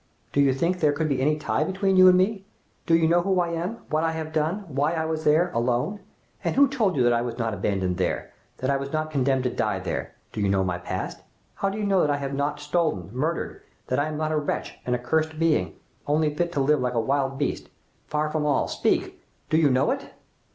Do you think there could be any tie between you and me?.... Do you know who I am what I have done why I was there alone? And who told you that I was not abandoned there that I was not condemned to die there?.... Do you know my past?.... How do you know that I have not stolen, murdered that I am not a wretch an accursed being only fit to live like a wild beast, far from all speak do you know it?"